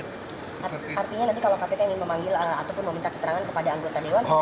artinya kalau kpk mau minta keterangan kepada anggota dewan tidak akan meminta pertimbangan dari anggota dewan